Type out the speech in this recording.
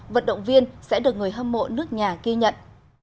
vận động viên sẽ được người hâm mộ nước nhà ghi nhận